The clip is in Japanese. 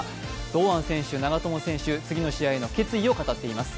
堂安選手、長友選手、次の試合の決意を語っています。